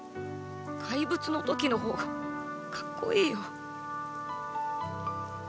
怪物の時の方がかっこいいよッ！